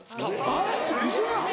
えっウソやん。